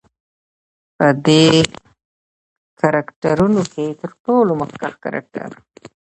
په دې کرکترونو کې تر ټولو مخکښ کرکتر